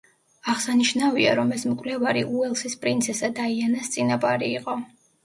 აღსანიშნავია, რომ ეს მკვლევარი უელსის პრინცესა დაიანას წინაპარი იყო.